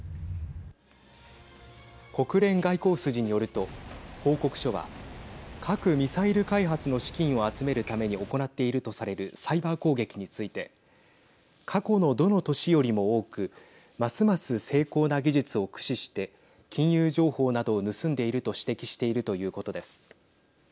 国連外交筋によると報告書は核・ミサイル開発の資金を集めるために行っているとされるサイバー攻撃について過去のどの年よりも多くますます精巧な技術を駆使して金融情報などを盗んでいると指摘しているということです。